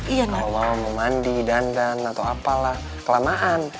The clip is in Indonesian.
nah kalo mama mau mandi dandan atau apalah kelamaan